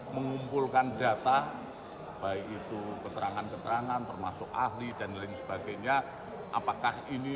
mengumpulkan data baik itu keterangan keterangan termasuk ahli dan lain sebagainya apakah ini